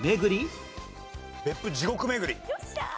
別府地獄めぐり。